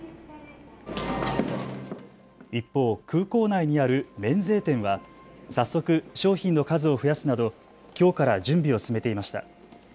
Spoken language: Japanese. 一方、空港内にある免税店は早速、商品の数を増やすなどきょうから準備を進めていました。